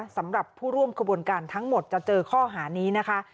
สำหรับผู้ร่วมขบวนการทั้งหมดจะเจอข้อหานี้นะคะ